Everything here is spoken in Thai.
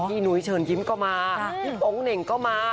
นุ้ยเชิญยิ้มก็มาพี่โป๊งเหน่งก็มา